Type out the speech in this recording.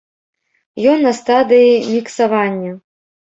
Ён на стадыі міксавання.